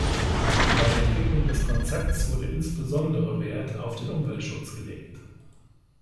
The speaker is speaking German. Bei der Entwicklung des Konzeptes wurde insbesondere Wert auf den Umweltschutz gelegt.